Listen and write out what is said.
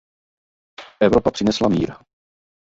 Evropa přinesla mír.